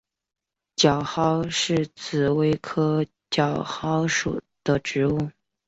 角蒿是紫葳科角蒿属的植物。